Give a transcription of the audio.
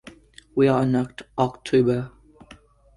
We are in October.